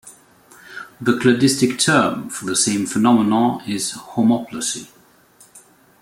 The cladistic term for the same phenomenon is homoplasy.